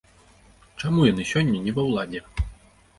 Чаму яны сёння не ва ўладзе?